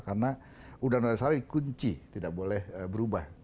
karena undang undang dasar ini kunci tidak boleh berubah